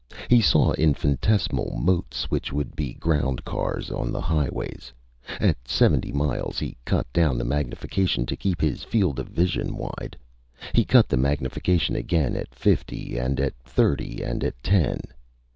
He saw infinitesimal motes which would be ground cars on the highways. At seventy miles he cut down the magnification to keep his field of vision wide. He cut the magnification again at fifty and at thirty and at ten.